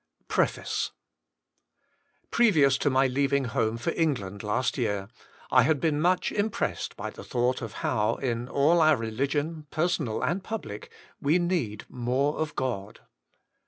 Law, 160 PREFACE PREVIOUS to my leaving home for England last year, I had been much impressed by the thought of how, in all our religion, personal and public, we need more of God.